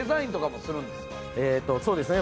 えとそうですね